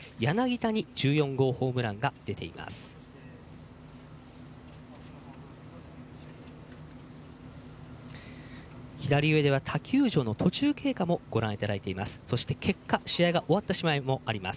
他球場の途中経過もご覧いただいています。